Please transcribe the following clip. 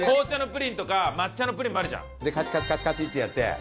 凍らして。でカチカチカチカチってやって。